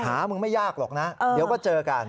หามึงไม่ยากหรอกนะเดี๋ยวก็เจอกัน